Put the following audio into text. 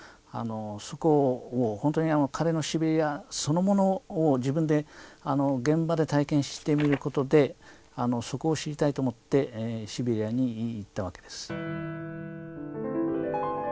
そこを本当に彼のシベリアそのものを自分で現場で体験してみることでそこを知りたいと思ってシベリアに行ったわけです。